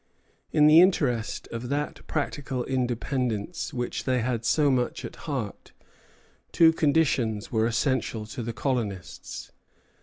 In the interest of that practical independence which they had so much at heart, two conditions were essential to the colonists.